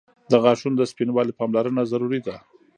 • د غاښونو د سپینوالي پاملرنه ضروري ده.